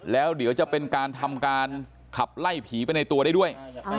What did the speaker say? แล้วเดี๋ยวจะเป็นการทำการขับไล่ผีไปในตัวได้ด้วย